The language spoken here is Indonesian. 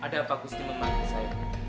ada apa gusti memanggil saya